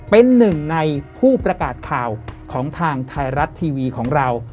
เป็นหนึ่งในผู้ประกาศข่าวของทางไทยรัฐทีวีของเรา